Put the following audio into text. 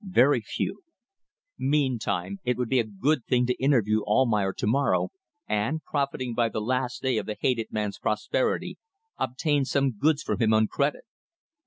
Very few. Meantime it would be a good thing to interview Almayer to morrow and, profiting by the last day of the hated man's prosperity, obtain some goods from him on credit.